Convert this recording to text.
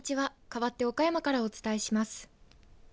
かわって岡山からお伝えします。